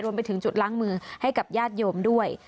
ไปถึงจุดล้างมือให้กับญาติโยมด้วย